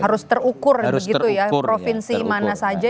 harus terukur begitu ya provinsi mana saja yang terhubung ya